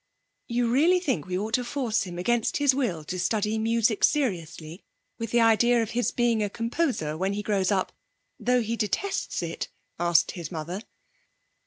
'You really think we ought to force him against his will to study music seriously, with the idea of his being a composer when he grows up, though he detests it?' asked his mother.